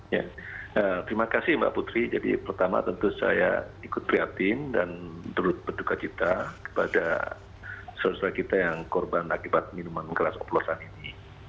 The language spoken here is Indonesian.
ya terima kasih mbak putri jadi pertama tentu saya ikut prihatin dan turut berduka cita kepada saudara saudara kita yang korban akibat minuman keras oplosan ini